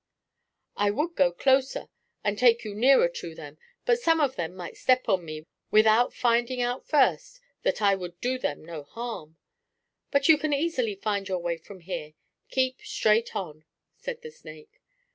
"I would go closer, and take you nearer to them, but some of them might step on me, without finding out first, that I would do them no harm. But you can easily find your way from here. Keep straight on," said the snake.